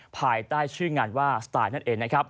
ภายใต้ชื่องานว่าสไตล์นั่นเอง